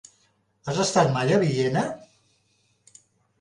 Has estat mai a Villena?